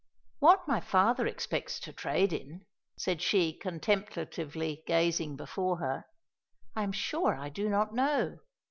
"What my father expects to trade in," said she contemplatively gazing before her, "I am sure I do not know.